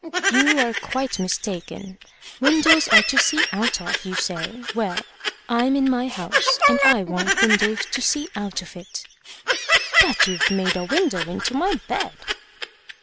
"You are quite mistaken. Windows are to see out of, you say. Well, I'm in my house, and I want windows to see out of it." "But you've made a window into my bed."